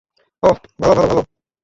ওহ, ভালো, ভালো, ভালো।